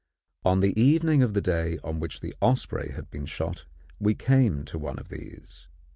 On the evening of the day on which the osprey had been shot we came to one of these.